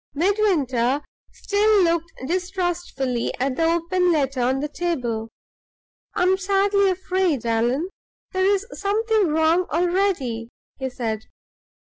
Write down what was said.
Midwinter still looked distrustfully at the open letter on the table. "I am sadly afraid, Allan, there is something wrong already," he said.